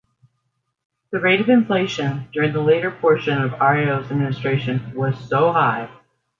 The rate of inflation during the later portion of Arroyo's administration was so high.